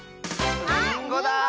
りんごだ！